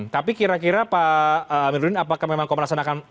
tapi kira kira pak medudin apakah memang komnas akan ikut turun ke sana